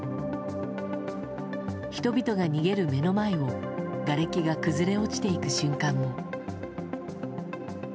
人々が逃げる目の前にがれきが崩れ落ちていく瞬間も。